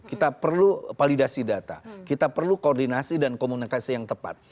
kita perlu validasi data kita perlu koordinasi dan komunikasi yang tepat